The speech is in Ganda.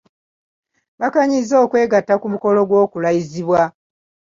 Bakkaanyizza okwegatta ku mukolo gw'okulayizibwa.